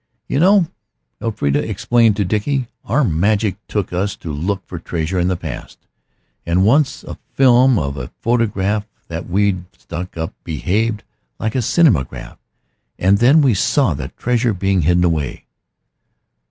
"You know," Elfrida explained to Dickie, "our magic took us to look for treasure in the past. And once a film of a photograph that we'd stuck up behaved like a cinematograph, and then we saw the treasure being hidden away."